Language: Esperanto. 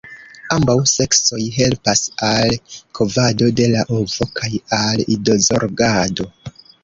Ambaŭ seksoj helpas al kovado de la ovo, kaj al idozorgado.